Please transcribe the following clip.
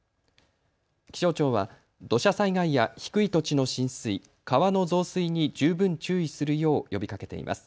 気象庁は土砂災害や低い土地の浸水、川の増水に十分注意するよう呼びかけています。